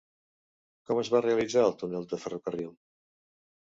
Com es va realitzar el túnel de ferrocarril?